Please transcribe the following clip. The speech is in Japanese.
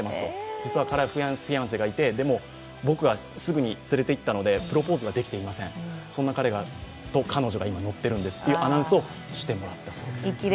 実は彼はフィアンセがいて、でも僕はすぐに連れて行ったのでプロポーズができていません、そんな彼と彼女が今乗っているんですというアナウンスをしてもらったそうです。